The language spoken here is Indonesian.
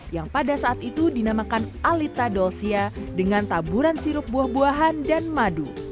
yang pada saat itu dinamakan alita dolsia dengan taburan sirup buah buahan dan madu